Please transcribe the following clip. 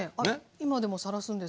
今でもさらすんですけど。